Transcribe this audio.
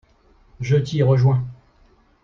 Je t’y rejoins.